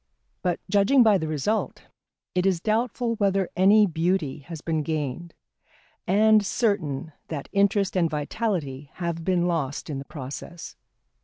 But judging by the result, it is doubtful whether any beauty has been gained, and certain that interest and vitality have been lost in the process.